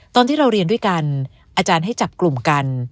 ตอนที่เราเรียนด้วยกันอาจารย์ให้จับกลุ่มกัน